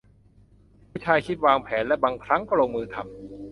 ผู้ชายคิด วางแผนและบางครั้งก็ลงมือทำ